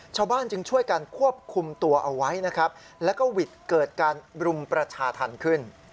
ชาวบ้านจึงช่วยกันควบคุมตัวเอาไว้นะครับแล้วก็หวิดเกิดการรุมประชาธรรมขึ้น